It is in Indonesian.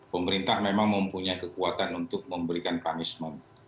pemerintah memang mempunyai kekuatan untuk memberikan punishment